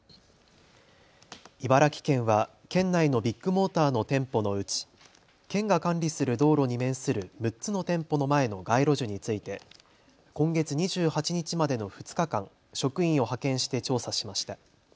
茨城県は県内のビッグモーターの店舗のうち、県が管理する道路に面する６つの店舗の前の街路樹について今月２８日までの２日間、職員を派遣して調査しました。